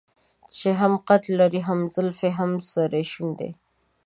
چې هم قد لري هم زلفې هم سرې شونډې.